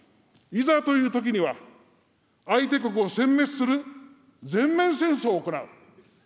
いざというときには相手国をせん滅する全面戦争を行う。